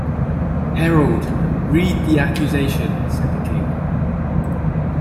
‘Herald, read the accusation!’ said the King.